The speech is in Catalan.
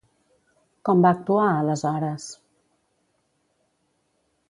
Com va actuar, aleshores?